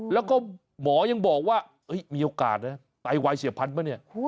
แล้วก็หมอยังบอกว่ามีโอกาสนะไตวายเฉียบพันธุ์ป่ะเนี่ย